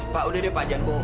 pak udah deh pak jangan bohong